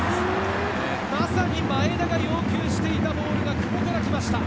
まさに前田が要求していたボールが久保から来ました。